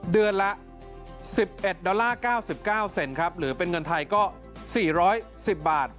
เดือนละ๑๑๙๙หรือเป็นเงินไทยก็๔๑๐บาท